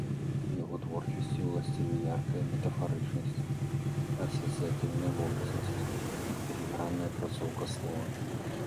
Яго творчасці ўласцівы яркая метафарычнасць, асацыятыўная вобразнасць, філігранная апрацоўка слова.